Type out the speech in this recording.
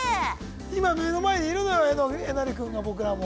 今目の前にいるのよえなり君が僕らも。